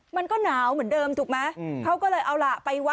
มันก็หนาวเหมือนเดิมถูกไหม